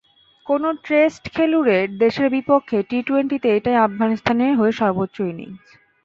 কোনো টেস্ট খেলুড়ে দেশের বিপক্ষে টি-টোয়েন্টিতে এটাই আফগানিস্তানের হয়ে সর্বোচ্চ ইনিংস।